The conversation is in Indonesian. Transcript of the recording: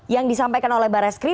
yang disampaikan oleh mbak reskrim